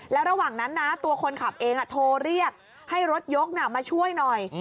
แล้วระหว่างนั้นนะตัวคนขับเองโทรเรียกให้รถยกมาช่วยหน่อย